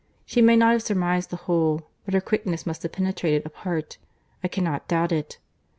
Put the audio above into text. —She may not have surmised the whole, but her quickness must have penetrated a part. I cannot doubt it.